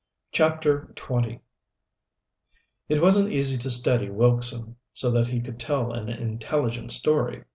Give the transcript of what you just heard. CHAPTER XX It wasn't easy to steady Wilkson so that he could tell an intelligent story.